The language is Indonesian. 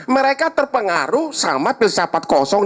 mereka terpengaruh sama filsafat